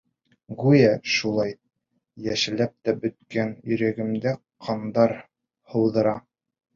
Гүйә, шулай, йәшәлеп тә бөткән Йөрәгемә ҡандар һауҙыра.